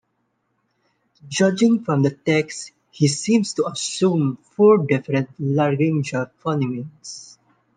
Judging from the text, he seems to assume four different laryngeal phonemes.